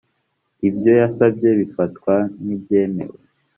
ibyo yasabye bifatwa nk’ibyemewe